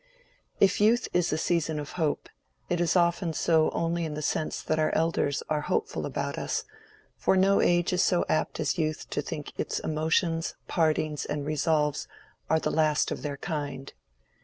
If youth is the season of hope, it is often so only in the sense that our elders are hopeful about us; for no age is so apt as youth to think its emotions, partings, and resolves are the last of their kind.